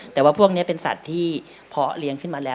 แต่ว่าพวกนี้เป็นสัตว์ที่เพาะเลี้ยงขึ้นมาแล้ว